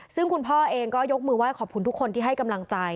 ซึ่งคุณพ่อเองก็ยกมือไห้ขอบคุณทุกคนที่ให้กำลังใจ